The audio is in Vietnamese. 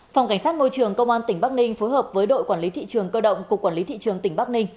phòng cảnh sát môi trường công an tỉnh bắc ninh phối hợp với đội quản lý thị trường cơ động cục quản lý thị trường tỉnh bắc ninh